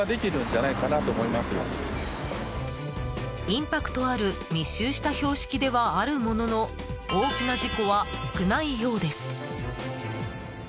インパクトある密集した標識ではあるものの大きな事故は少ないようです。